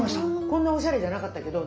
こんなおしゃれじゃなかったけど。